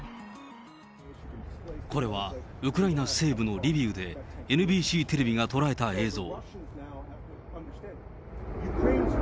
これは、ウクライナ西部のリビウで、ＮＢＣテレビが捉えた映像。